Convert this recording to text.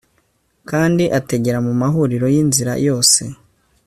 Kandi ategera mu mahuriro yinzira yose